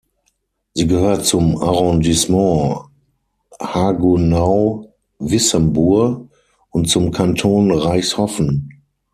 Sie gehört zum Arrondissement Haguenau-Wissembourg und zum Kanton Reichshoffen.